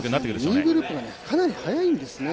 ２位グループがかなり速いんですね